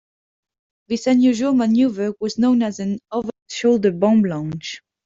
This unusual maneuver was known as an "over the shoulder" bomb launch.